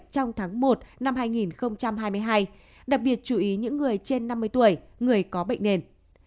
trong tháng một năm hai nghìn hai mươi hai đặc biệt chú ý những người trên năm mươi tuổi người có bệnh nền